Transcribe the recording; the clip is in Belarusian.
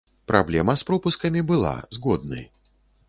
Праблема з пропускамі была, згодны.